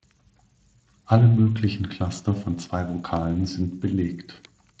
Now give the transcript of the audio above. Alle möglichen Cluster von zwei Vokalen sind belegt.